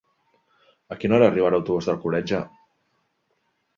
A quina hora arriba l'autobús d'Alcoletge?